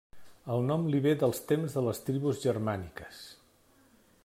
El nom li ve dels temps de les tribus germàniques.